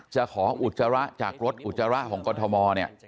จะขออุจจาระจากรถอุจจาระของกรทมเนี่ย